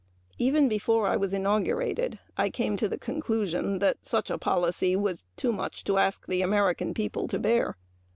Even before I was inaugurated I came to the conclusion that such a policy was too much to ask the American people to bear.